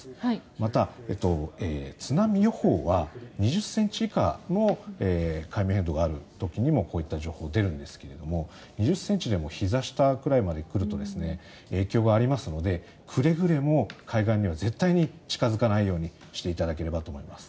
また、津波予報は２０ｃｍ以下の海面変動がある時にもこういった情報が出るんですが２０ｃｍでもひざ下くらいまで来ると影響がありますのでくれぐれも海岸には絶対に近付かないようにしていただければと思います。